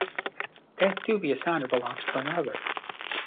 That dubious honor belongs to another.